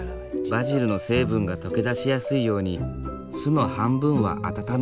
バジルの成分が溶け出しやすいように酢の半分は温める。